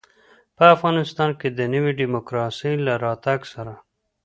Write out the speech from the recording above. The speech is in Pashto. په افغانستان کې د نوي ډيموکراسۍ له راتګ سره.